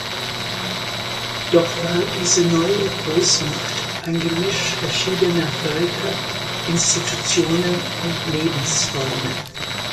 Doch war diese neue Großmacht ein Gemisch verschiedener Völker, Institutionen und Lebensformen.